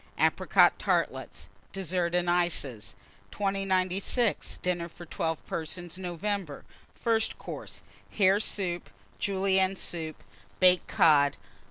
Apricot Tartlets. DESSERT AND ICES. 2096. DINNER FOR 12 PERSONS (November). FIRST COURSE. Hare Soup. Julienne Soup. Baked Cod.